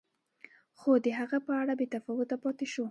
خو د هغه په اړه بې تفاوت پاتې شو.